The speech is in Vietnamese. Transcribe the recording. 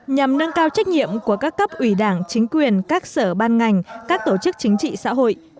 nhằm nâng cao trách nhiệm của các cấp ủy đảng chính quyền các sở ban ngành các tổ chức chính trị xã hội